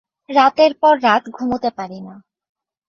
রাতের পর রাত ঘুমুতে পারি না।